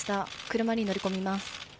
車に乗り込みます。